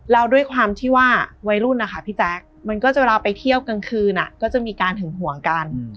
แล้วด้วยความที่ว่าวัยรุ่นนะคะพี่แจ๊คมันก็จะเวลาไปเที่ยวกลางคืนก็จะมีการหึงห่วงกัน